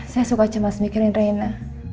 saya suka cemas mikirin reina